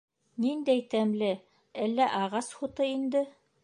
Ниндәй тәмле, әллә ағас һуты инде?